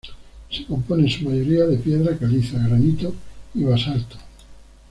Se compone en su mayoría de piedra caliza, granito y basalto.